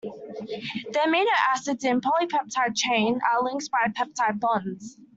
The amino acids in a polypeptide chain are linked by peptide bonds.